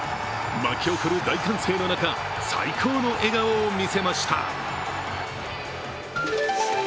巻き起こる大歓声の中最高の笑顔を見せました。